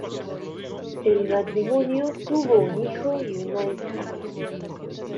El matrimonio tuvo un hijo y una hija.